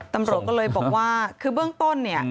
ตำรวจก็เลยบอกว่าคือเบื้องต้นเนี่ย